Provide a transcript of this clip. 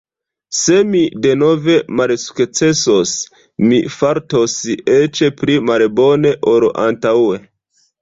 Se mi denove malsukcesos, mi fartos eĉ pli malbone ol antaŭe.